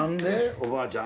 おばあちゃん